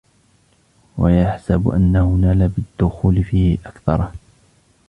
وَيَحْسَبُ أَنَّهُ نَالَ بِالدُّخُولِ فِيهِ أَكْثَرَهُ